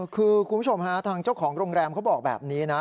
คือคุณผู้ชมฮะทางเจ้าของโรงแรมเขาบอกแบบนี้นะ